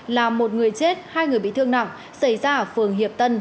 làm một người chết hai người bị thương nặng xảy ra ở phường hiệp tân